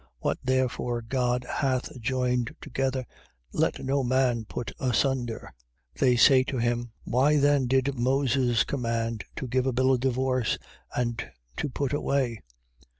What therefore God hath joined together, let no man put asunder. 19:7. They say to him: Why then did Moses command to give a bill of divorce, and to put away?